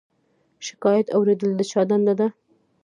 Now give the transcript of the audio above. شکایت اوریدل د چا دنده ده؟